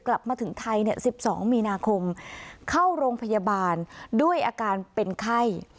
กลับมาถึงไทย๑๒มีนาคมเข้าโรงพยาบาลด้วยอาการเป็นไข้